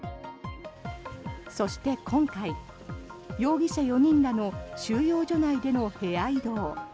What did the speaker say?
そして今回、容疑者４人らの収容所内での部屋移動。